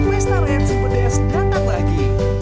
pesta rakyat pedas datang lagi